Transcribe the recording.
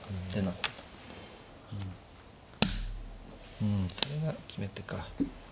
うんそれが決め手か。